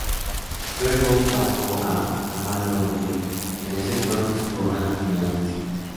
Luego pasó a Almagro donde en ese entonces jugaba en la Primera división.